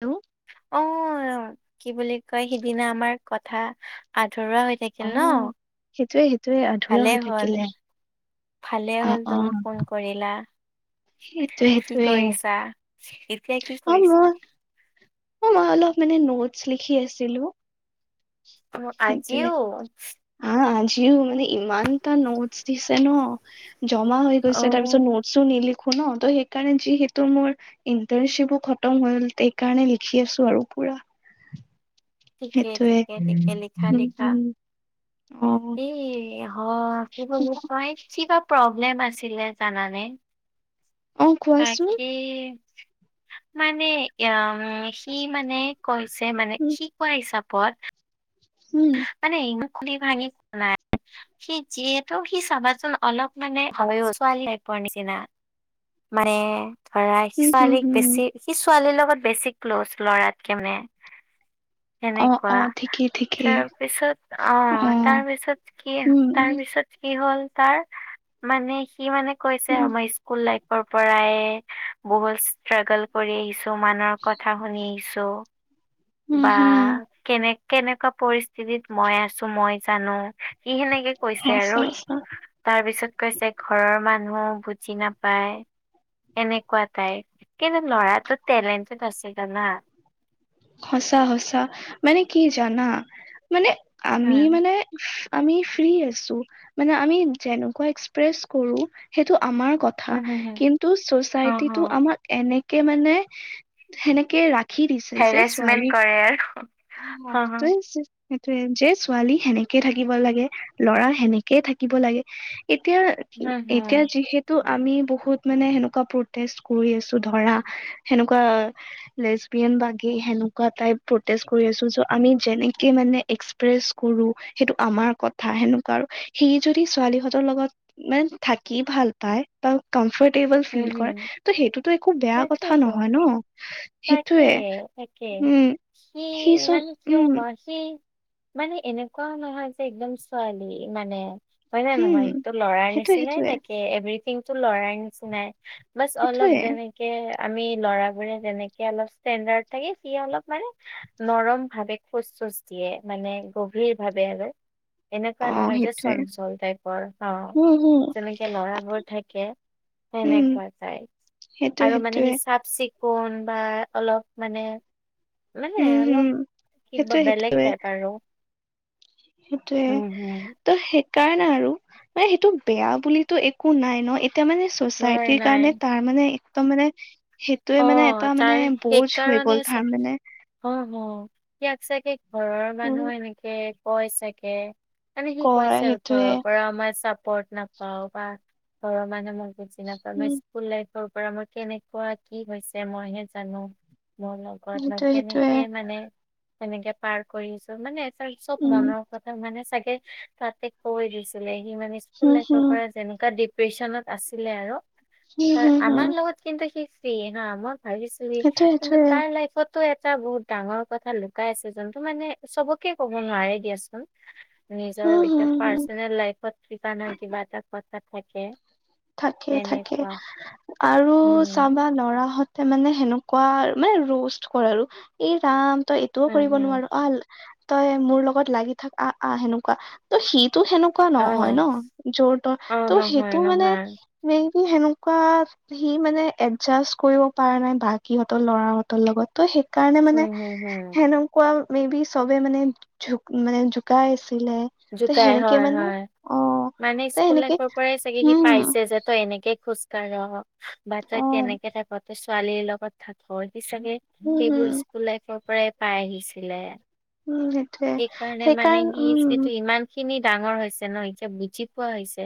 Hello? অ কি বুলি কয়, সিদিনা আমাৰ কথা আধৰুৱা হৈ থাকে। অ সেইটোৱে সেইটোৱে ভালে আধৰুৱা হ'ল থাকিলে। ভালে অ হ'ল অ তুমি ফোন কৰিলা। সেইটোৱে কি সেইটোৱে কৰিছা, এতিয়া কি অ কৰিছা? মই অ মই অলপ মানে নোটচ লিখি আছিলো। অ আজিও? অ আজিও মানে ইমান তা নোটছ দিছে ন, জমা হৈ অ গৈছে, তাৰপিছত নোটছো নিলিখো ন ত সেইকাৰণে যিহেতু মোৰ, ইণ্টাৰ্ণশ্বিপো খতম হল। সেইকাৰণে লিখি আছো আৰু পুৰা। ঠিকে ঠিকে সেইটোৱে ঠিকে হুম হ। এ হ আ [unintelligible] কিবা প্ৰব্লেম আছিলে জানানে, অ কোৱাচোন তাকে মানে অ সি মানে কৈছে মানে উম সি কোৱা হিচাপত, উম, মানে ই খুলি ভাঙি কোৱা নাই। সি যিহেতু সি চাবাচোন অলপ মানে হয় ছোৱালী তাইপৰ নিচিনা। মানে, ধৰা হি উম হুম ছোৱালীক হুম বেছি সি ছোৱালীৰ লগত বেছি ক্ল'জ লৰাতকে নে, অ অ ঠিকেই, ঠিকেই তাৰপিছত অ তাৰপিছত কি উম উম তাৰপিছত, কি হ'ল তাৰ মানে সি মানে কৈছে, উম কুলাইকৰ পৰাই বহুত ষ্ট্ৰাগল, কৰি আহিছো মানুহৰ কথা শুনি আহিছো। উম বা হুম কেনে কেনেকুৱা পৰিস্থিতিত মই আছো মই জানো ই সেনেকে, কৈছে আৰু সঁচা সঁচা তাৰ পিছত কৈছে ঘৰৰ মানুহো বুজি নাপায়। এনেকুৱা টাইপ কিন্তু ল'ৰাটো টেলেণ্টেড আছিলে না। সঁচা সঁচা মানে কি জানা, মানে আমি উম মানে আমি ফ্ৰী আছো। মানে আমি যেনেকুৱা এক্সপ্ৰেছ কৰো সেইটো আমাৰ কথা। উম হম হম কিন্তু অ চচাইটি অ টো আমাৰ, এনেকে মানে সেনেকে ৰাখি দিছে। হেৰেছমেণ্ট কৰে আৰু। অ হা হা ত আছে। সেইটোয়ে যে ছোৱালী সেনেকে থাকিব লাগে লৰা সেনেকেই থাকিব লাগে। এতিয়া হম এতিয়া হম যিহেতু, ত' আমি বহুত মানে সেনেকুৱা প্ৰটেষ্ট কৰি আছো ধৰা সেনেকুৱা, লেচবিয়ান বা গে সেনেকুৱা টাইপ বোৰ, টেষ্ট কৰি আছোঁ, যত আমি যেনেকে মানে এক্সপ্ৰেছ কৰো, সেইটো আমাৰ কথা সেনেকুৱা আৰু সি যদি ছোৱালীহঁতৰ লগত, মানে থাকি ভাল পায়, বা কমফৰ্টেবল ফিল হম কৰে হম ত সেইটোতো একো বেয়া কথা তাকেইতো নহয় ন। তাকে সেইটোয়ে তাকে উম কি সি চ মানে কিয় উম বা, চি, মানে এনেকুৱাও নহয় যে, একদম ছোৱালী মানে হয় নে উম নহয়, ত, লৰাৰ সেইটোয়ে নিচিনাই সেইটোয়ে থাকে এভৰিথিং টো লৰাৰ নিচিনাই। বাচ অলপ সেইটোয়ে দে থাকে, আমি লৰাবোৰে যেনেকে অলপ ষ্টেণ্ডাড থাকে, সি অলপ মানে নৰম ভাৱে খোজ-চোজ দিয়ে, মানে গভীৰ ভাৱে আৰু। অ এনেকুৱা নহয় যে, সেইটোয়ে চঞ্চল টাইপৰ অ, উম হম যেনেকে ল'ৰাবোৰ থাকে। উম তেনেকুৱা তাইপ সেইটোয়ে আৰু মানে সেইটোয়ে সি চাফ-চিকুণ বা অলপ মানে মানে উম অলপ হম কিবা, সেইটোয়ে বেলেগ টাইপ আৰু। সেইটোৱে। উম হম ত, সেইকাৰণে আৰু মানে সেইটো বেয়া বুলিটো একো নাই ন, এতিয়া মানে নাই চচাইটিৰ নাই সেইকাৰণে তাৰ মানে একদম মানে, অ', টোৱে, মানে এটা মানে বৌজ হৈ গ'ল, তাৰ মানে অহ, হ, সিয়াক চাগে ঘৰৰ উম মানুহ এনেকে কয় চাগে। মানে সি কয় কৈছে আৰু সেইটোয়ে ঘৰৰ পৰা আমাৰ চাপৰ্ট নাপাওঁ, বা ঘৰৰ মানুহে মোক বুজি নাপায় মানে, উম স্কুল লাইফৰ পৰা আমাৰ কেনেকুৱা কি হৈছে মইহে জানো, মোৰ লগত সেইটোয়ে সেইটোয়ে কেনেকে মানে সনেকে পাৰ কৰিছো, মানে এটা চব উম মনৰ কথা মানে চাগে তাতে কৈ দিছিলে, সি মানে স্কুল হম লাইফৰ হম পৰা যেনেকুৱা ডিপ্ৰেচনত আছিলে আৰু। হম ত, হম হম আমাৰ লগত কিন্তু ফ্ৰি হা, মই ভাবিছো সেইটোয়ে কিন্তু সেইটোয়ে তাৰ লাইফত টো, এটা বহুত ডাঙৰ কথা লুকাই আছে, যোনটো মানে চবকে ক'ব নোৱাৰে দিয়াচোন। নিজৰ হম এতিয়া হম হম পাৰ্চনেল লাইফত, কিবা নহয় কিবা এটা থাকে। থাকে, থাকে, তেনেকুৱা আৰু উম চাবা ল'ৰাহত তাৰ মানে সেনেকুৱা আৰু মানে ৰোষ্ট কৰে, আৰু এই ৰাম তই এইটোও হম কৰিব হম নোৱাৰো আল তই মোৰ লগত লাগি থাকা আহ, সেনেকুৱা ত, সিটো সেনেক কুৱা অ নহয় ন, যোৰ-তৰ অ ত, নহয় সেইটো মানে নহয় মেইনলি সেনেকুৱা সি মানে এডজাষ্ট কৰিব পৰা নাই, বাকিহঁতৰ ল'ৰাহঁতৰ লগত। ত, সেইকাৰণে মানে, হম হম হম হেনো কোৱা মতে বি, চবে মানে জু, মানে জুকাই আছিলে। ত জুকাই, সেনেকে হয় মানে হয়। অ মানে ত স্কুল সেনেকে লাইফৰ পৰাই চাগে সি উম পাইছে, যে তই এনেকে খোজ ৰ, বা তই অ তেনেকে থাকে, ছোৱালীৰ লগত থাক, সি চাগে উম হম সেইবোৰ স্কুল লাইফৰ পৰাই পাই আহিছিলে। উম, সেইটয়ে সেইকাৰণে মানে সেইকাৰণ সি উম, যিহেতু ইমান খিনি ডাঙৰ হৈছে ন, এতিয়া বুজি পোৱা হৈছে।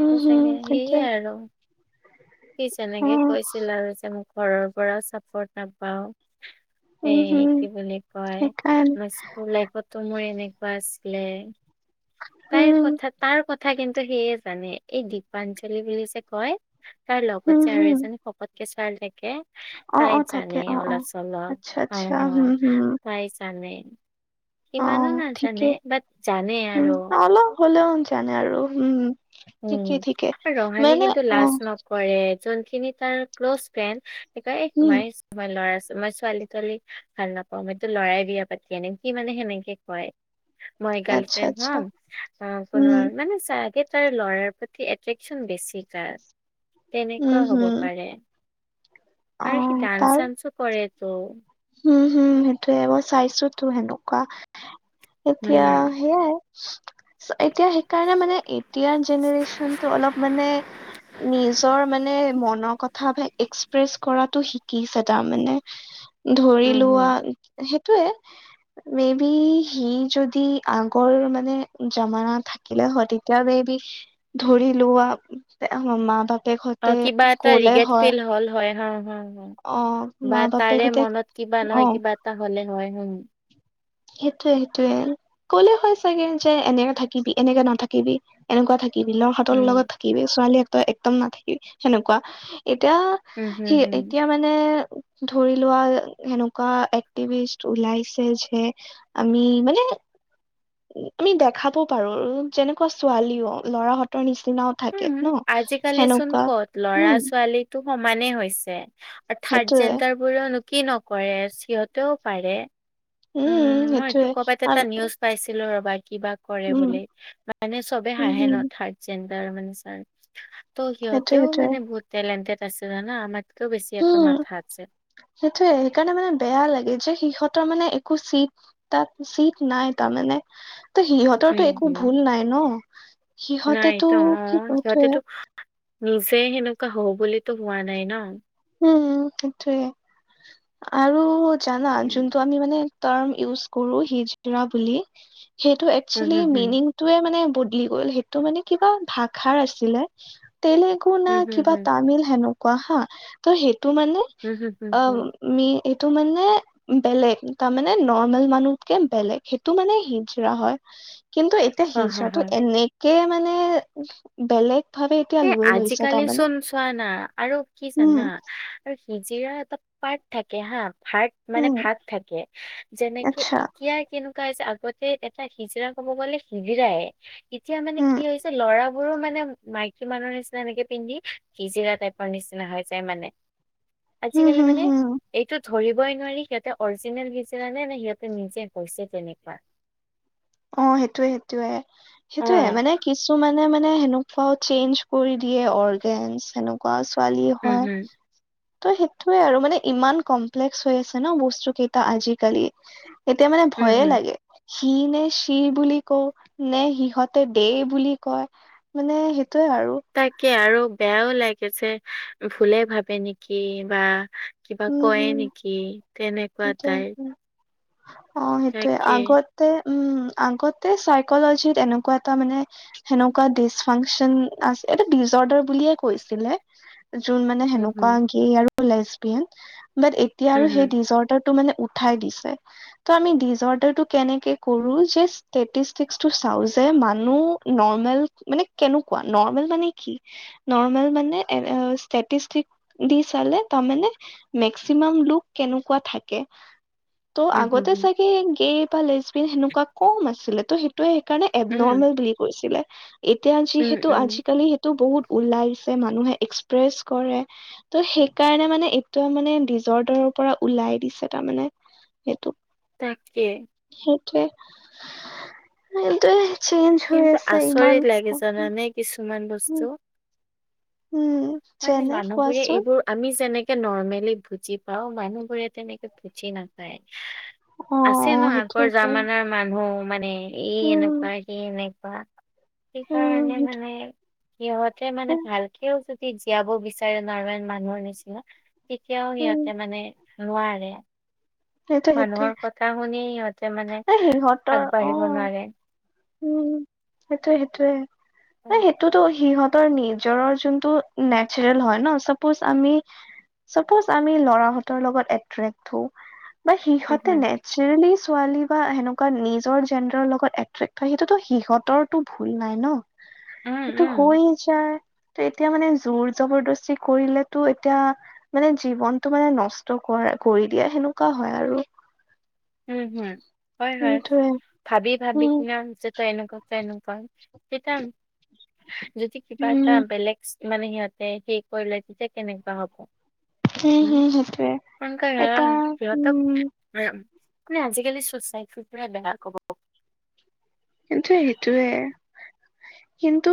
উম চাগে, হম সেয়ে সেইটোয়ে আৰু কি অ যেনেকে কৈছিল আৰু যে মোক ঘৰৰ পৰা চাপৰ্ট নাপাওঁ, উম এই হম কি বুলি কয় সেইকাৰণে তোৰ, লাইফতো মোৰ এনেকুৱা আছিলে। তাইৰ উম কথা তাৰ কথা কিন্তু সেয়ে জানে, এই দীপাঞ্চলি বুলি যে কয়। তাৰ লগত হম যে আৰু হম এজনী সকতকে ছোৱালী থাকে। অ অ তাই থাকে জানে অ অ অলপ-চলপ আচ্ছা তাই আচ্ছা হা, হম হম তা জানে অ ইমানো ঠিকে নাজানে, বাট জানে উম আৰু। অলপ হ'লেও জানে আৰু হম, উম ঠিকেই ঠিকে, মানে অ, কৰে, যোনখিনি তাৰ ক্ল'জ ফ্ৰেন্ড উম মই লৰা মই ছোৱালী-তোৱালী ভাল নাপাওঁ, মইতো লৰাই বিয়া পাতি আনিম, সি মানে সেনেকে কয়। উ মই গাৰ্লফ্ৰেণ্ড হম উম আৰু মানে চ তাৰ ল'ৰাৰ প্ৰতি এট্ৰেকশচন বেছি তাৰ উম তেনেকুৱা হ'ব হম পাৰে অ আৰু সি ডান্স তাৰ চান্সো কৰে তো হম হুম সেইটোয়ে মই চাইছোতো সেনেকুৱা উম এতিয়া সেইয়াই এতিয়া সেইকাৰণে মানে এতিয়াৰ জেনেৰেচনতটো অলপ মানে নিজৰ মানে মনৰ কথা এক্সপ্ৰেছ কৰাতটো শিকিছে তাৰমানে ধৰি হম হম লোৱা সেইটোয়ে মে বি সি যদি আগৰ মানে জামানা থাকে থাকিলে হয় তেতিয় মে বি ধৰি লোৱা আমাৰ মা বাপ অ কিবা এটা ৰিগেট ফিল হল হয় হা হা হা অ মা বা তাৰে বাপেকহঁতে মনত কিবা অ নহয় কিবা এটা হলে হয় হম সেইটোয়ে সেইটোয়ে কলে হয় চাগে যে এনেকে থাকিবি এনেকে নাথাকিবি এনেকুৱা থাকিব বিলৰ হাতৰ উম লগত থাকিবি ছোৱালী এক একদম নাথাকিবি সেনেকুৱা এতিয়া উম হম সি হম এতিয়া মানে মানে ধৰি লোৱা সেনেকুৱা এক্টিভিষ্ট ওলাইছে যে আমি মানে আমি দেখাব পাৰো যেনেকুৱা ছোৱালীও ল'ৰাহঁতৰ নিচিনা উম আজিকালি চোন ক'ত ল'ৰা উম ছোৱালী টো সমানেই হৈছে, থাৰ্ড সেইটোয়ে জেনডাৰ বোৰনো কি নকৰে সিহতেও পাৰে উম মই এইটো সেইটোয়ে কৰ'বাত উম এটা নিউজ পাইছিলো ৰবা কিবা কৰে উম বুলি মানে চবে হাঁহে হম ন থাৰ্ড জেণ্ডাৰ মানে ছাৰ। ত' সেইটোয়ে সিহঁতেও সেইটোয়ে মানে বহুত টেলেণ্টেড আছে জানা আমাতকেও বেছি সিহঁতৰ উম মাথা আছে। সেইটোয়ে সেইকাৰণে মানে বেয়া লাগে যে সিহঁতৰ মানে একো চিট তাত চিট নাই তাৰমানে ত উম, সিহঁতৰ তটো একো হম, ভুল নাই ন সিহঁতেতটো নাইতো কি অ' কৈ থয়ে সিহঁতেতো নিজে সেনেকুৱা হও বুলিতো হোৱা নাই ন উম সেইটোয়ে আৰু জানা উম, যোনটো আমি মানে টাৰম ইউজ কৰোঁ সিজটিৰা বুলি সেইটো হম, একচুৱেলি হম, মিনিং মিনিং টোৱে মানে বদলি গ'ল সেইটো মানে কিবা ভাষাৰ আছিলে তেলে টেলেগু না হম, হম, হম, কিবা হম, তামিল হেনেকুৱা হা ত সেইটো মানে হম, হম, অ হম, ম এইটো মানে বেলেগ তাৰমানে নৰ্মেল মানুহতকে বেলেগ সেইটো মানে হিজৰা হয়। কিন্তু এতিয়া হা, হা, সিজৰাটো হা। এনেকে মানে বেলেগ ভাবে এতিয়া এ লৈ লৈছ আজিকালি তাৰমানে চোন চোৱা উম সিজিৰা এটা পাৰ্ট থাকে হা পাৰ্ মানে উম ভাগ থাকে যেনেকে আচ্ছা এতিয়া কো হৈছে আগতে এটা হিজিৰা ক'ব গ'লে হিজিৰাই এতিয়া মানে উম কি হৈছে ল'ৰা বোৰো মানে ম মাইকী মানুহৰ নিচিনা এনেকে পিন্ধি সিজিৰা টাইপৰ নিচিনা হৈ যায় মানে। হম আজিকালি হম মানে হম এইটো ধৰিবই নোৱাৰি সিহঁতে অৰিজিনেল হিজিৰা নে নে সিহঁতে নিজে হৈছে তেনেকুৱা অ সেইটোয়ে সেইটোয়ে অ সেইটোয়ে মানে কিছু মানে মানে সেনক বা চেঞ্জ কৰি দিয়ে অৰ্গেন সেনেকুৱা ছোৱালী উম হয় হম ত' সেইটোয়ে আৰু মানে ইমান কমপ্লেক্স হৈ আছে ন বস্তু কেইটা আজিকালি এতিয়া মানে উম ভয়ে হম লাগে সি নে চিৰ বুলি কও নে সিহঁতে দে বুলি কয় মানে সেইটোয়ে আৰু তাকে আৰু বেয়াও লাগে যে ভলে ভাবে নেকি বা কিবা উম কয় হম নেকি তেনেকুৱা তাই সেইটোয়ে অ সেইটোয়ে আগত উম আগতে চাইকলজিত এনেকুৱা এটা মানে সেনেকুৱা ডিচ ফাংচন আ এটা ডিচ অৰ্ডাৰ বুলিয়ে কৈছিলে যোন মানে উম সেনেকুৱা হুম আৰু লেচবিয়ান ব এতিয়া আৰু উম হুম সেই জৰ্টটো মানে ঠাই দিছে, ত আমিৰ দিজৰ্তৰ কেনেকে কৰো, জাষ্ট ষ্টেটিষ্টিকটো চাও যে মানুহ নৰ্মেল মানে কেনেকুৱা নৰ্মেল মানে কি? নৰ্মেল মানে ষ্টেটিষ্টিকটো দি চালে তাৰ মানে মেক্সিমাম লোক কেনেকুৱা থাকে। ত' উম হুম আগতে হুম চাগে গে বা লেচব সেনেকুৱা কম আছিলে, ত সেই ত সেইণে উম এবনৰ্মেল বুলি কৈছিলে, এতিয়া উম যিহেতু উম আজিকালি টো বহুত ওলাইছে মানুহে এক্সপ্ৰেছ কৰে ত সেইকাৰণে মানে তোমাক মানে দিজতৰ পৰা ওলাই দিছে তাৰমানে সেইটো তাকে সেইটোৱে এইটো চেঞ্জ হৈ কিন্তু আছে ইমান আচৰিত লাগে জানানে কিছুমান বস্তু উম উম মানে যেনে মানুহবোৰে কোৱাচোন এইবোৰ আমি যেনেকে নৰ্মেলি বুজি পাও মানুহবোৰে তেনেকে বুজি নাপায় অ আছে ন আগৰ সেইটোৱেতো জামানাৰ মানুহ মানে এই উম এনেকুৱা স এনেকুৱা সেই কাৰণে উম মানে সিহঁতে মানে সেইটোৱে ভালকেও যদি জীয়াব বিচাৰে নৰ্মেল মানুহৰ নিচিনা তেতিয়াও উম সিহঁতে মানে লোৱাৰে সেইটোৱে সেইটোৱে মানুহৰ কথা শুনি সিহঁতে মানে এ সিহঁতৰ অ আগবাঢ়িব নোৱাৰে উম সেইটোয়ে সেইটোয়ে ন হয়। সেইটোতো সিহঁত নিজৰৰ যোনটো নেচাৰেল হয় ন চাপজ আমি চাপজ আমি লৰাহতৰ লগত এট্ৰেক্ হ বা উম সিহঁতে হম নেচাৰেলি ছোৱালী বা সেনেকুৱা নিজৰ জেডাৰৰ লগত এটে ত সেইটোতো সিহঁতৰটো ভুল নাই ন উম সেইটো উম হৈ ত এতিয়া মানে জোৰ জবৰদস্তি কৰিলেতো এতিয়া মানে জীৱনতটো মানে নষ্ট কৰা কৰি দিয়া সেনেকুৱা হয় আৰু উম হুম হয় হয় সেইটোৱে ভাবি ভাবি উম কিনে যে তই এনেকুৱা তেনেকুৱা তেতিয়া যদি কিবা উম এটা উম বেলেগ মানে সিহঁতে সেই কৰি লৈছে যে কেনেকুৱা হব উম হম সেইটোৱে প কাই এটা সিহঁতক উম উ মানে আজিকালি চচাইটিৰ পৰাই বেয়া ক'ব কিন্তু সেইটোয়ে কিন্তু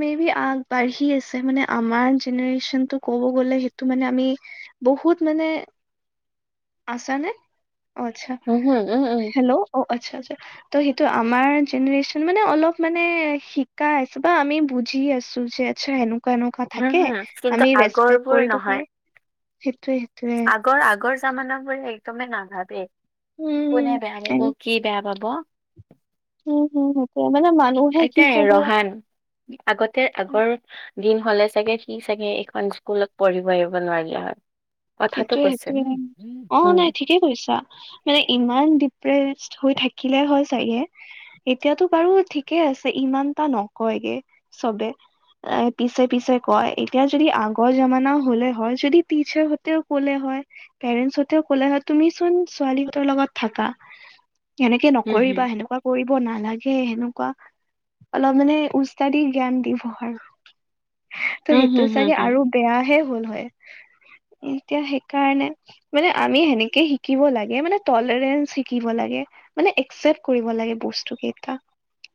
মে বি আগবাঢ়ি আছে মানে আমাৰ জেনেৰেচন টো ক'ব গলে সেইটো মানে আমি বহুত মানে আচা নে আচ্ছা উমহু উম উম হেল্' অ আচ্ছা আচা ত সেইটো আমাৰ জেনেৰেশচন মানে অলপ মানে শিকাই আছো বা আমি বুজি আছো যে আচ্ছা, এনেকুৱা-এনেকুৱা উম, থাকে, হুম, কিন্তু আমি ৰেচপেক্ আগৰবোৰ কৰিব পাৰো। সেইটোয়ে, সেইটোয়ে। আগৰ-আগৰ জামানা বোৰে একদমে নাভাবে উম কোনে বেয়া এন- পাব কি বেয়া পাব। উম, হুম, মানে মানুহ- এটাই ৰহান আগতে আগৰ- দিন হ'লে চাগে সি চাগে এইখন স্কুলত পঢ়িব আহিব নোৱাৰিলা হয়। কথাটো কৈছো। উম। কি কৈছা মানে ইমান ডিপ্ৰেচ হৈ থাকিলে হয় চাগে। এতিয়াতো বাৰু ঠিকে আছে ইমানটা নকয়গে চবেই। এ' পিছে-পিছে কয়, এতিয়া যদি আগৰ জামানা হ'লে হয় যদি পিছে- ক'লে হয় পেৰেন্টছসতেও ক'লে হয় তুমি চোন ছোৱালীহঁতৰ লগত থাকা। সেনেকে নকৰিবা, সেনেকুৱা কৰিব নালাগে, সেনেকুৱা- অলপ মানে ওস্তাদি জ্ঞান দিব আৰু। ত' উম, সেইটো হুম, হুম, চাগে হুম, আৰু বেয়াহে হ'ল হয়। এতিয়া সেইকাৰণে মানে আমি সেনেকে শিকিব লাগে, মানে টলাৰেঞ্চ শিকিব লাগে। মানে একচেপ্ট কৰিব লাগে বস্তু কেইটা।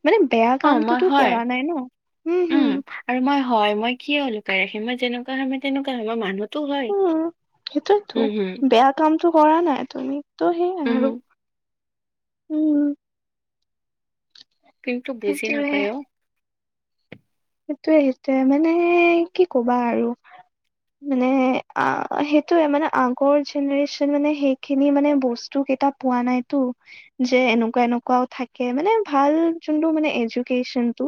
মানে বেয়া অ', মই কামটোতো হয়। কৰা নাই ন। উম, হুম। আৰু মই হয়, মই কিয় লুকাই ৰাখিম মই যেনেকোৱা হয় মই তেনেকুৱা হয় মানুহ। উম' সেইটোতো, বেয়া কামটো কৰা নাই। তুমিটো উম, সেইয়াই আৰু- হুম, উম। কিন্তু বুজি সেইটোয়ে নাপায় অ। সেইটোয়ে-সেইটোয়ে, মানে কি কবা আৰু। মানে আঁহ', সেইটোয়ে, মানে আগৰ জেনেৰেচন মানে সেইখিনি মানে বস্তু কেইটা- পোৱা নাই তো। যে এনেকুৱা-এনেকুৱাও থাকে, মানে ভাল যোনটো মানে এজকনটো।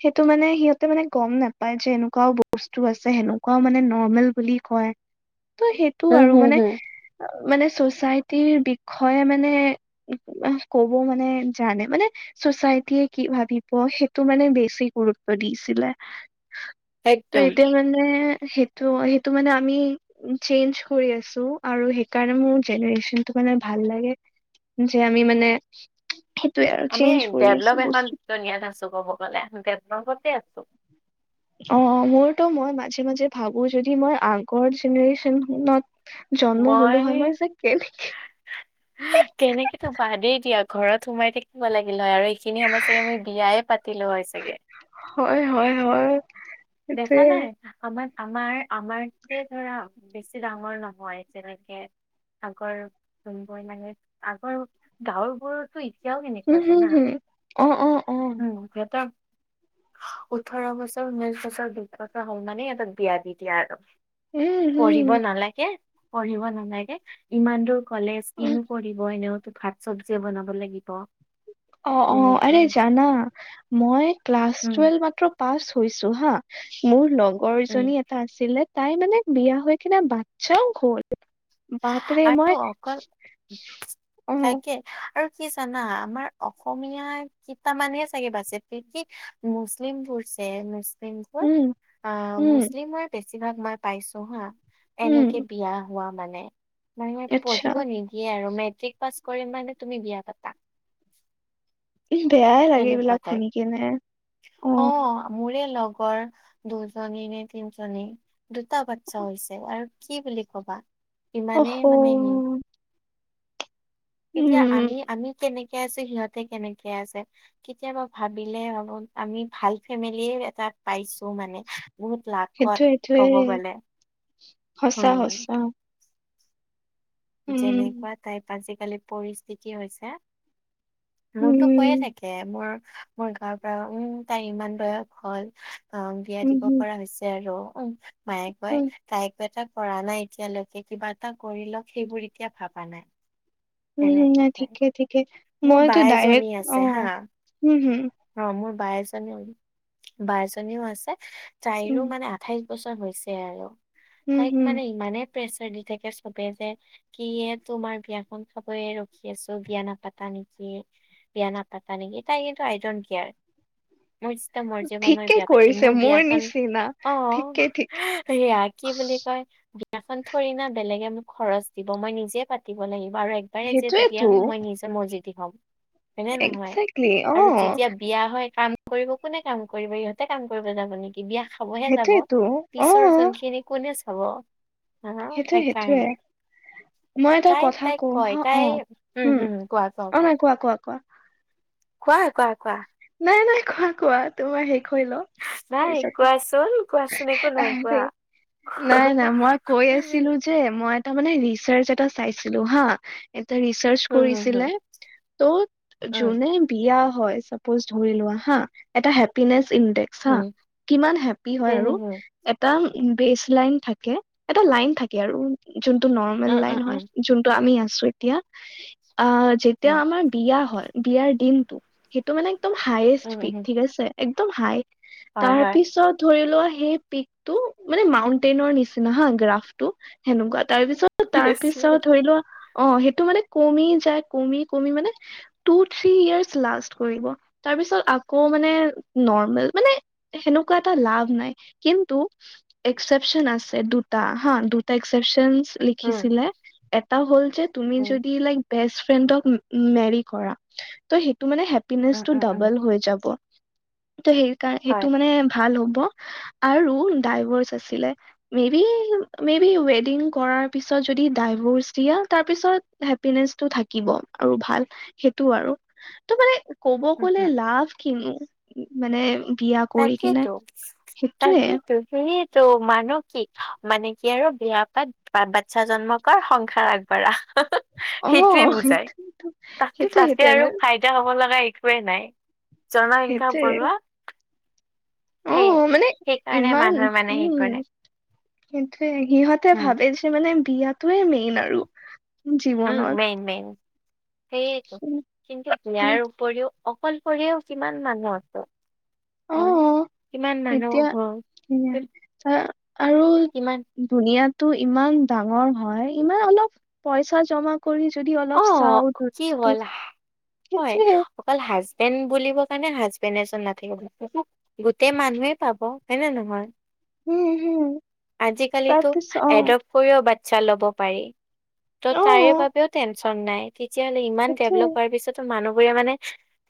সেইটো মানে সিহঁত- তে মানে গম নাপায় যে এনেকুৱাও বস্তু আছে, সেনেকুৱাও মানে নৰ্মেল বুলি কয়। ত' সেইটো উম, আৰু হুম, হুম, মানে-মানে চচাইটিৰ বিষয়ে মানে- ক'ব মানে জানে মানে- চচাইটিয়ে কি ভাবিব সেইটো মানে বেছি গুৰুত্ব দিছে। ত' একদম। এতিয়া মানে সেইটো-সেইটো মানে আমি- চেঞ্জ কৰি আছো, আৰু সেইকাৰণে মোৰ জেনেৰেচনে ভাল লাগে। যে আমি মানে সেইটোয়ে আৰু চেঞ্জ কৰি আছো বস্তু। ধুনীয়া এটা আছে ক'ব গ'লে, তেন ক'তে আছো। অঁহ', -অঁহ', - মোৰতো মই মাজে-মাজে ভাবো যদি মই আগৰ জেনেৰেচনত- জন্ম হ'লো হয়, মই যে কেনেকে- তেনেকে টো বাদেই দিয়া, ঘৰত সোমাই থাকিব লাগিল হয় আৰু এইখিনি সময় চাগে, মই বিয়াই পাতি- লো হয় চাগে। হয়-হয়-হয়। দেখা নাই। আমাৰ-আমাৰ আমাৰতে ধৰা বেছি ডাঙৰ নহয়, যেনেকে- আগৰ যোনবোৰ লাগে আগৰ গাঁৱবোৰ এতিয়াও সেনেকে উমঁ, হুম-হুম, অঁহ', -অঁহ', -অঁহ', -। উম' সিহঁতৰ ওঠৰ বছৰ, ঊনৈছ বছৰ। [unintelligible] হল মানে সিহঁতক বিয়া দি দিয়া আৰু উম পঢ়িব হম নালাগে পঢ়িব নালাগে ইমান দূৰ কলেজ কিনো পঢ়িব এনেওতো ভাত চব্জিয়ে বনাব লাগিব অ অ আৰে তেনেকুৱা জানা মই ক্লাছ উম টুৱেলভ মাত্ৰ পাছ হৈছো হা মোৰ লগৰ উম জনী এটা আছিলে তাই মানে বিয়া হৈ কিনা বাচ্ছাও হল বাপৰে আৰু মই অকল অ তাকে আৰু কি জানা আমাৰ অসমীয়া কেইটামানহে চাগে বাচ কি মুছলিম বোৰ যে মুছলিম উম অ উম মুছলিমৰ বেছিভাগ মই পাইছো হা উম এনেকে বিয়া হোৱা মানে মানে আচ্ছা পঢ়িব নিদিয়ে আৰু মেট্ৰিক পাছ কৰিম মানে তুমি বিয়া পাতা বেয়াই লাগে তেনেকুৱা এইবিলাক টাইপ শুনি কেনে অ মোৰে লগৰ দুজনী নে তিনজনী দুটা বাচ্ছা হৈছে আৰু কি বুলি ক'বা অ ইমানেই মানে সি এতিয়া আমি আমি কেনেকে আছো সিহঁতে কেনেকে আছে কেতিয়াবা ভাবিলে হ'ব আমি ভাল ফেমিলিয়ে এটা পাইছো মানে বহুত লাকত সেইটোৱে সেইটোৱে ক'ব গ'লে সঁচা উম সঁচা উম যেনেকুৱা টাইপ আজিকালি পৰিস্থিতি হৈছে হৈয়ে উম থাকে মোৰ মোৰ গাঁৱৰ পৰা উম তাই ইমান বয়স হল অ বিয়া উম দিব হম পৰা হৈছে আৰু উ মায়ে উম কয় তাইক এটা কৰা নাই এতিয়ালৈকে কিবা এটা কৰি লওক সেইবোৰ এতিয়া ভাবা নাই উম সেনেকুৱা নাই পাই ঠিকে ঠিকে মোৰ মইতো বাই এজনী ডাইৰেক্ট অ আছে হা হম হম অ মোৰ বাই এজনীও বাইজনীও আছে তাইৰো উম, মানে আঠাইশ বছৰ হৈছে আৰু উম, তাইক হম, মানে ইমানেই প্ৰেচাৰ দি থাকে সবে যে কিয়ে তোমাৰ বিয়াখন চাবয়ে ৰখি আছো বিয়া নাপাতা নেকি বিয়া নাপাতা নেকি তাই কিন্তু আইডট কেয়াৰ মোৰ ইচ্ছা মৰ্য মাই ঠিকে বিয়া পাতিম কৰিছে মোৰ বিয়াখন নিচিনা অ ঠিকে ঠিকে এয়া কি বুলি কয় বিয়াখন থৰি না বেলেগে মোক খৰচ দিব মই নিজে পাতিব লাগিব আৰু পাৰে যিহেতু বিয়া সেইটোয়েতো হ'ম মই নিজৰ মৰ্জি দি হ'ম হয়নে নহয় একজেক্টলি অ', আৰু যেতিয়া বিয়া হয় কাম কৰিব কোনে কাম কৰিব ইহঁতে কাম কৰিব যাব নেকি বিয়া থবহে যাব সেইটোয়েতো পিছৰ অ', যোনখিনি কোনে চাব হা সেইটোয়ে সেইটোয়ে সেইকাৰণে মই এটা তাইক কথা তাইক কওঁ কয় হা তাই অ উম অ নাই কোৱা কোৱা কোৱা কোৱা কোৱা কোৱা নাই নাই কোৱা কোৱা তোমাৰ শেষ হৈ ল নাই কোৱাচোন কোৱাচোন একো নাই কোৱা নাই নাই মই কৈ আছিলো যে মই এটা মানে ৰিচাৰ্চ এটা চাইছিলো হা এটা ৰিচাৰ্চ কৰিছিলে ত' যোনে বিয়া হয় চব [unintelligible] এটা বেচ লাইন থাকে এটা লাইন থাকে আৰু যোনটো নৰ্মেল লাইন হয় যোনটো আমি আছো এতিয়া আ যেতিয়া আমাৰ বিয়া হয় বিয়াৰ দিনতটো সেইটো মানে একদম হায়েষ্ট পিক ঠিক আছে একদম হাই তাৰপিছত ধৰি লোৱা সেই পিক টো মানে মাউন্টেইনৰ নিচিনা হা গ্ৰাফ টো সেনেকুৱা তাৰ পিছত তাৰ পিছত ধৰি লোৱা। অঁ, সেইটো মানে কমি যাই কমি কমি মানে টু থি ইয়াৰ্চ লাষ্ট কৰিব। তাৰ পিছত আকৌ মানে নৰ্মেল মানে সেনেকুৱা এটা লাভ নাই, কিন্তু এক্সেপ্যন আছে দুটা হা দুটা এক্সেপ্যন লিখিছিলে, এটা হল যে তুমি যদি লাইক বেষ্টফ্ৰেণ্ডৰ মেৰি কৰা, ত সেইটো মানে হেপি টো ডাবল হৈ যাব, ত সেইকাৰণ সেইটো মানে ভাল হ'ব। আৰু ডাইভৰ্চ আছিলে। মে বি মে বি ৱেডিং কৰাৰ পিছত যদি ডাইভৰ্চ দিয়া, তাৰপিছত। হেপিনেচটো থাকিব আৰু ভাল সেইটো আৰু, ত মানে ক'ব গলে লাভ কিনো, মানে বিয়া কৰি কিনে তাকেইেতো সেইটোয়ে তাকেইেতো, সেইয়ে ত' মানুহ কি মানে কি আৰু বিয়া পাত। পাট বাচ্ছা জন্ম কৰ সংসাৰ আগবঢ়া। অ সেইটোয়ে বুজাই, সেইটো তা সেইটোয়ে তাতে সেইটোয়ে আৰু মানে খাই এতিয়া হব লগা একোৱেই নাই, জনসংখ্যা বঢ়োৱা সেয়ে। অঁ মানে সেইকাৰণে ইমান মানুহে মানে হেৰি উম কৰে। সেইটোৱে, সিহঁতে উম, ভাবে যে মানে বিয়াটোয়ে মেইন আৰু। উম জীৱনত মেইন মেইন, সেইয়েতো কিন্তু ইয়াৰ উপৰিও অকলশৰেও কিমান মানুহ আছে। হয় অঁ, কিমান মানুহ এতিয়া হয় আঁ আৰু কিমান দুনিয়াটো ইমান ডাঙৰ হয়, ইমান অলপ পইচা জমা কৰি যদি অ অলপ চাও কি ধনটো, হ'ল হয় সেইটোয়ে। অকল হাজবেণ্ড বুলিব কাৰণে হাজবেণ্ড এজন নাথাকিব। গোটেই মানুহে পাব, হয়নে নহয়। উম হম আজিকালিটো তাৰপিছত অ এডপ কৰিও বাচ্ছা ল'ব পাৰি, ত' অ তাৰে বাবেও টেনশ্যন নাই। তেতিয়াহ'লে ইমান সেইটোৱে ডেভলপ হোৱাৰ পিছতো মানুহবোৰে মানে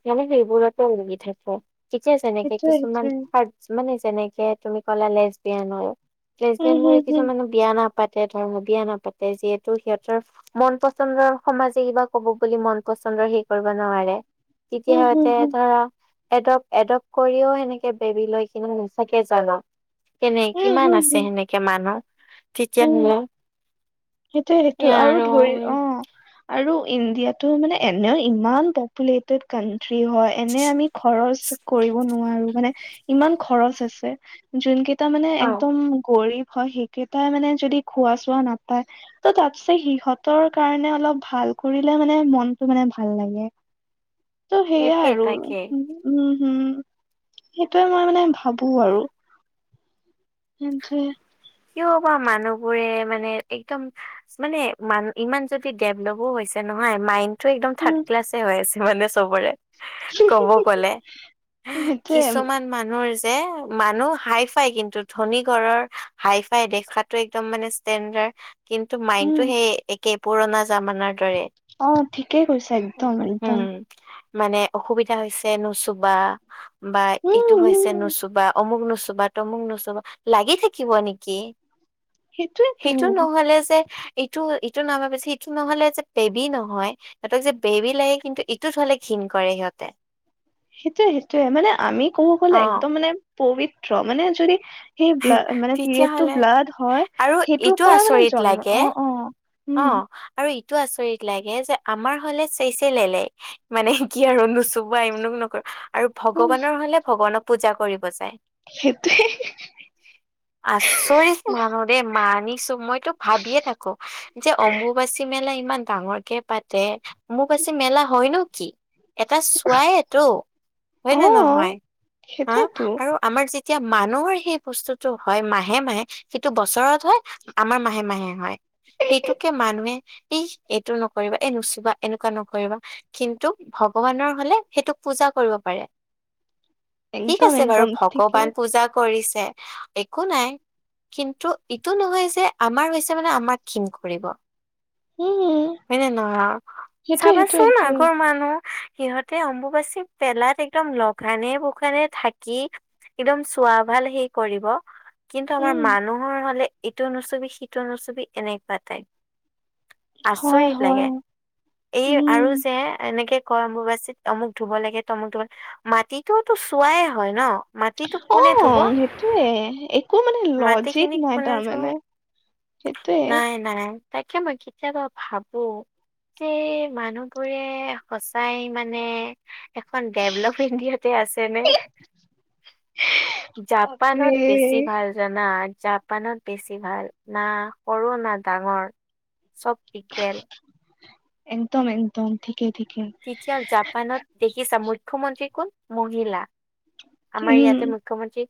সেইবোৰত হেইবোৰতে উলমি থাকিব। এতিয়া যেনেকে সেইটোৱে সেইটোৱে কিছুমানাৰ মানে যেনেকে তুমি ক'লা লেচ দিয় ন। লেচবিয়ান উম কিছুমানে বিয়া নাপাতে ধৰ্ম বিয়া নাপাতে যিহেতু সিহঁতৰ মন্ত পচন্দৰ সমাজে কিবা কব বুলি মন পচন্দৰ হেই কৰিব নোৱাৰে। তেতিয়া হম সিহঁতে হম ধৰা। এডপ্ট এডপ্ট কৰিও সেনেকে বেবী লৈ কিনে নিচাকে জানো। কেনে উম হম হম উম কিমান হম আছে হম সেনেকে মানুহ, তেতিয়া উম হ'লে। সেইটোয়ে সেইটো আৰু ধৰি অঁ আৰু ইণ্ডিয়াতটো মানে এনেও ইমান পপুলতেদ কাউন্ট্ৰী হয় এনে আমি খৰচ কৰিব নোৱাৰোঁ, মানে ইমান খৰচ আছে যোন কেইটা মানে অ একদম গৰম হয় হে কেইটাই মানে যদি খোৱা চোৱা না ত তাপিছত সিহঁতৰ কাৰণে অলপ ভাল কৰিলে মানে মনতটো মানে ভাল লাগে। ত সেইয়াই তাকে আৰু তাকে। উম হুম সেইটোয়ে মই মানে ভাবো আৰু। সেইটোৱে কিয় বা মানুহবোৰে মানে একদম মানে মান ইমান যদি ডেভলপো হৈছে নহয় মাইণ্ড টো একদম থাৰ্ড উম ক্লাছে হৈ আছে মানে চবৰে। কব গলে, সেইটোয়ে কিছুমান মানুহৰ যে মানুহ হাই ফাই কিন্তু ধনী ঘৰৰ হাই ফাই দেখাটো একদম মানে ষ্টেণ্ডাৰ্ড কিন্তু মাইণ্ডটো উম সেই একে পুৰণা জামানাৰ। দৰে। অ', ঠিকেই কৈছে একদম একদম। উম, মানে অসুবিধা হৈছে নোচোবা বা উম ইটো হৈছে উম নোচোবা অমুক নুচবা তমুক নুচবা লাগি থাকিব নেকি! সেইটোয়েতো সেইটো নহ'লে যে ইটো ইটো নাভাবে যে এইটো নহলে যে বেবি নহয়। সিহঁতক যে বেবী লাগে কিন্তু এইটো চালে ঘিণ কৰে সিহঁতে। সেইটোয়ে সেইটোয়ে মানে আমি ক'ব গ'লে অ'। একদম মানে পবিত্ৰ মানে যদি সেই ব্লা মানে পিৰিয়ডটো তেতিয়াহ'লে ব্লাড হয় আৰু সেইটোৰ এইটো পৰা মানে আচৰিত জন্ম লাগে অ অ অ উম আৰু ইটো আচৰিত লাগে যে আমাৰ হলে চেইচেই লেইলেই মানে কি আৰু নুচোবা একদম নকয়। আৰু উম, ভগৱানৰ হলে ভগৱানক পূজা কৰিব যায়। সেইটোৱেই আচৰিত মানুহ দেই মানিছো মইতো ভাবিয়ে থাকো যে অম্বুবাচী মেলা ইমান ডাঙৰকে পাতে অম্বুবাচী মেলা হয় নো কি? এটা চোৱায়েতো অ হয়নে নহয় হ সেইটোয়েতো আৰু আমাৰ যেতিয়া মানুহৰ সেই বস্তুটো হয় মাহে মাহে সেইটো বছৰত হয় আমাৰ মাহে মাহে হয়। সেইটোকে মানুহে ই এইটো নকৰিবা এই নুচুবা এনেকুৱা নকৰিবা কিন্তু ভগৱানৰ হলে সেইটোক পূজা কৰিব পাৰে। ঠিক একদম আছে বাৰু একদম ঠিকে ভগৱান পূজা কৰিছে একো নাই কিন্তু ইটো নহয় যে আমাৰ হৈছে মানে আমাক ঘিন কৰিব। উম। হয়নে নহয় সেইটোয়ে সেইটোয়ে চাবাচোন সেইটোয়ে আগৰ মানুহ সিহঁতে অম্বুবাচী পেলাত একদম লঘোনে ভোকে থাকি একদম চোৱা ভাল হে কৰিব কিন্তু আমাৰ উম মানুহৰ হলে এইটো নুচুবি সিটো নুছুবি এনেকুৱা টাইপ। হয় আচৰিত হয় লাগে, এই আৰু উম যে এনেকে অম্বুবাচীত অমুক ধুব লাগে তমুক ধুব লাগে মাটিটো তো চোৱাই হয় ন। মাটিটোক অ কোনে ধুব সেইটোৱে একো মানে লজিক মাটিখিনিক নাই কোনে তাৰ ধুব মানে সেইটোৱে। নাই তাকে মই কেতিয়াবা ভাবো এই মানুহবোৰে সচাই মানে এখন ডেভলপ ইণ্ডিয়াতে আছে নে? বাপৰে জাপানত বেছি ভাল জানা জাপানত বেছি ভাল না সৰু না ডাঙৰ চব ইকুৱেল। একদম একদম থিকে থিকে। এতিয়া জাপানত দেখিছা মুখ্যমন্ত্ৰী কোন মহিলা, আমাৰ উম ইয়াতে মুখমন্ত্ৰী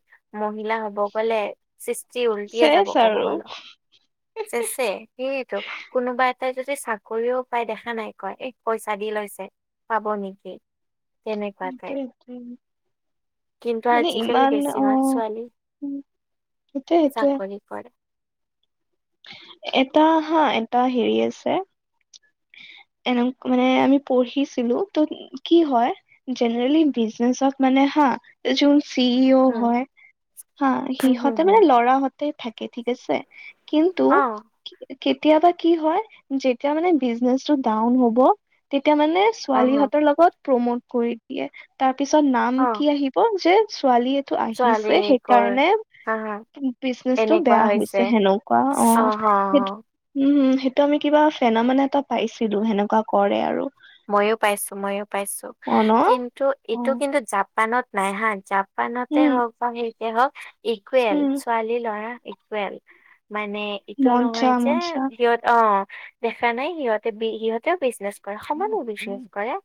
মহিলা হব গলে সৃষ্টি উলটিয়ে যাব চেচ ক'ব আৰু গলে চেচে। সেইয়েতো কোনোবা এটাই যদি চাকৰিও পায় দেখা নাই কয় এই পইচা দি লৈছে পাব নেকি তেনেকুৱা টাইপ। সেইটোৱে সেইটোৱে কিন্তু মানে আজিকালি ইমান অ বেছিভাগ ছোৱালী সেইটোয়ে সেইটোয়ে হয় এটা হা এটা হেৰি আছে এনে মানে আমি পঢ়িছিলো ত কি হয় জেনেৰেলি বিজনেচত মানে হা চি ই ও উম, হয় হা হম, হম, সিহঁতে হম, মানে লৰাহতে থাকে ঠিক আছে কিন্তু অ কেতিয়াবা কি হয় যেতিয়া মানে বিজনেচটো ডাউন হব তেতিয়া মানে অ', হ, ছোৱালীহতৰ লগত প্ৰমোট কৰি দিয়ে তাৰ পিছত নাম অ', কি আহিব যে ছোৱালী টো ছোৱালী আহিছে কৰ সেইকাৰণে হা, হা, বিজনেচটো বেয়া হৈছে সেনেকুৱা অ হ, সেইটো হ, উম সেইটো আমি কিবা ফেনা মানে এটা পাইছিলো সেনেকুৱা কৰে আৰু মইয়ো পাইছো ম‌ইয়ো পাইছো অ ন কিন্তু অ এইটো কিন্তু জাপানত নাই হা জা পানতে উম হওক বা সেইতে হওক ইকুৱেল উম ছোৱালী ল'ৰা ইকুৱেল মানে এইটো মজ্জা নহয় যে মজ্জা সিহঁত অ দেখা নাই সিহঁতে বি সিহঁতেও বিজনেছ কৰে সমানে বিজনেছ কৰে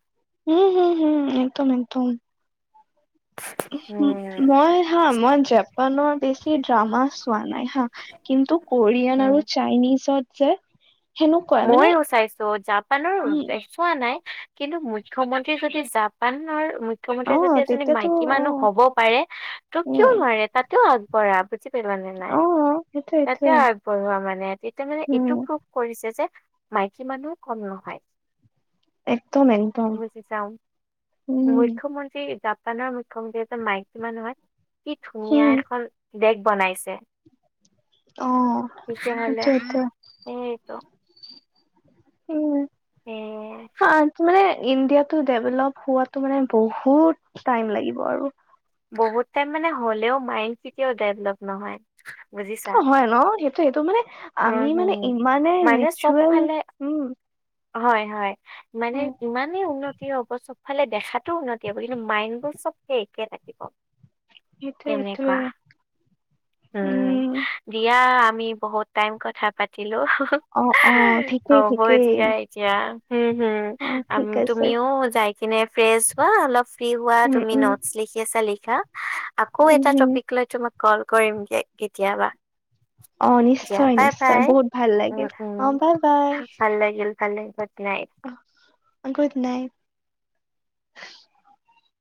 উম হম হম একদম একদম উ উম, মই হা মই জাপানৰ বেছি ড্ৰামা চোৱা নাই হা কিন্তু কৰিয়ান উম। আৰু চাইনিজত যে সেনেকুৱাই মানে মইও চাইছো জাপানৰ উম চোৱা নাই কিন্তু মুখ্যমন্ত্ৰী যদি জাপানৰ অ মুখ্যমন্ত্ৰী যদি এজনী তেতিয়াতো মাইকী অ মানুহ হ'ব পাৰে ত' কিয় উম নোৱাৰে তাতেও আগবঢ়া পেলানি নি অ সেইটোৱে সেইটোৱে এতিয়া আগবঢ়োৱা মানে তেতিয়া মানে উম এইটো প্ৰুভ কৰিছে যে মাইকী মানুহও কম নহয় একদম একদম বুজি চাও উম মুখ্যমন্ত্ৰী জাপানৰ মুখ্যমন্ত্ৰী এজন মাইকি মানুহ হয় কি ধুনীয়া উম এখন দেশ বনাইছে অ তেতিয়া হলে সেইটোৱেটো। সেইতো উম এ মানে ইণ্ডিয়া টো ডেভলপ হোৱাো মানে বহুত টাইম লাগিব আৰু বহুত টাইম মানে হ'লেও মাইণ্ড কেতিয়াও ডেভলপ নহয় বুজিছা হয় ন সেইটো সেইটো মানে উম, আমি মানে হুম। ইমানে মানে চব ৰিচুৱেল ফালে উম হয় হয় মানে উম, ইমানেই উন্নতি হবস্থ ফালে দেখাটো উন্নতি হ'ব কিন্তু মাইণ্ডবোৰ চবকে একে থাকিব এইটোৱে এইটোৱে তেনেকুৱা উম দিয়া আমি বহুত টাইম কথা পাতিলো অ', অ', ঠিকেই হ'ব ঠিকেই দিয়া এতিয়া হম অ', হুম ঠিক আছে। তুমিও যাই কিনে ফ্ৰেছ হোৱা অলপ ফ্ৰ্ৰী হোৱা উম, তুমি উম। নোটচ লিখি আছা লিখা আকৌ উম, এটা হুম, টপিক লৈ তোমাক কল কৰিম দে কেতিয়াবা অ', দিয়া নিশ্চয় বাই নিশ্চয় বাই বহুত ভাল উম লাগিল উম অ', বাই ভাল লাগিল ভালে গুড় নাইট অ, অ গুড নাইট।